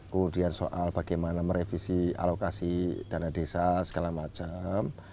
kemudian soal bagaimana merevisi alokasi dana desa segala macam